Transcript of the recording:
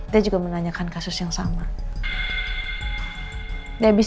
dia juga menanyakan kasus yang sama